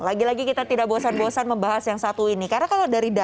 lagi lagi kita tidak bosan bosan membahas yang satu ini karena kalau dari data